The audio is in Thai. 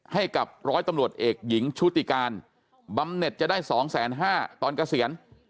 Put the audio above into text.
ให้กับร้อยตำรวจเอกหญิงชุติการบำเน็ตจะได้๒๕๐๐ตอนเกษียณ